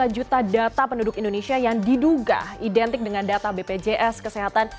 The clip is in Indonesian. dua ratus tujuh puluh sembilan juta data penduduk indonesia yang diduga identik dengan data bpjs kesehatan